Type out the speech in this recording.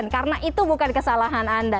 karena itu bukan kesalahan anda